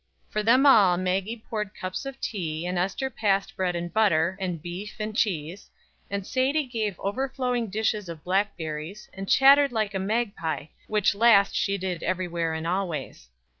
For them all Maggie poured cups of tea, and Ester passed bread and butter, and beef and cheese, and Sadie gave overflowing dishes of blackberries, and chattered like a magpie, which last she did everywhere and always.